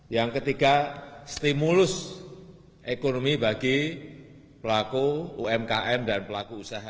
yang ketiga stimulus ekonomi bagi pelaku umkm dan pelaku usaha